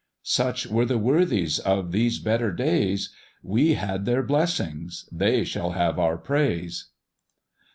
"Such were the worthies of these better days; We had their blessings they shall have our praise.